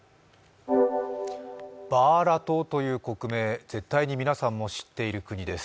バーラトという国名、絶対に皆さんも知っている国です。